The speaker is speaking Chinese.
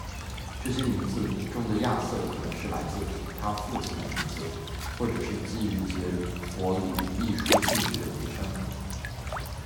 这些名字中的“亚瑟”可能是他父亲的名字，或者是基于杰弗里学术兴趣的昵称。